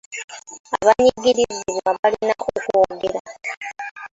Abanyigirizibwa balina okwogera.